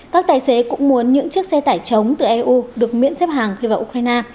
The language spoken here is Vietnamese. các tài xế cũng muốn những chiếc xe tải chống từ eu được miễn xếp hàng khi vào ukraine